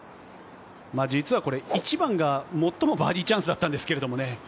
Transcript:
実はこれ、１番が最もバーディーチャンスだったんですけれどね。